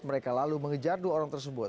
mereka lalu mengejar dua orang tersebut